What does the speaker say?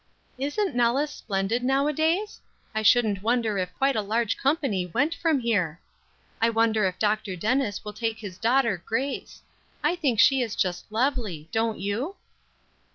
"Isn't Nellis splendid nowadays? I shouldn't wonder if quite a large company went from here. I wonder if Dr. Dennis will take his daughter Grace. I think she is just lovely, don't you?"